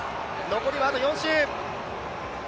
残りはあと４周。